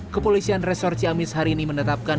kepolisian resor ciamis hari ini menetapkan